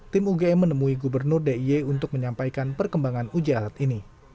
tim ugm menemui gubernur diy untuk menyampaikan perkembangan uji alat ini